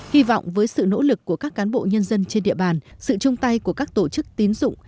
hy vọng với sự nỗ lực của các cán bộ nhân dân trên địa bàn sự chung tay của các tổ chức tín dụng